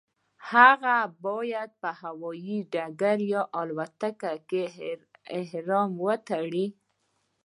هغه باید په هوایي ډګر یا الوتکه کې احرام وتړي.